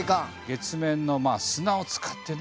月面の砂を使ってね